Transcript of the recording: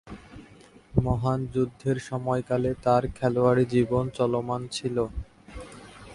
মহান যুদ্ধের সময়কালে তার খেলোয়াড়ী জীবন চলমান ছিল।